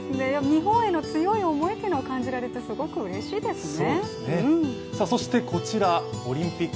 日本への強い思いを感じられて、すごいうれしいですね。